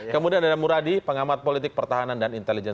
kemudian ada muradi pengamat politik pertahanan dan intelijen